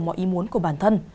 mọi ý muốn của bản thân